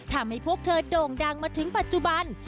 ทำให้พวกเธอโด่งดังมาถึงปัจจุบัน